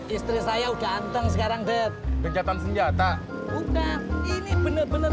istri saya udah ganteng sekarang det gencatan senjata ini bener bener